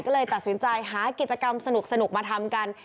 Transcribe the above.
ก็เลยตัดสินใจหากิจกรรมสนุกมาทำกัน